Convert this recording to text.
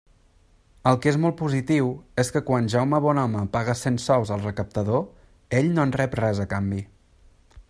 El que és molt positiu és que quan Jaume Bonhome paga cent sous al recaptador, ell no en rep res a canvi.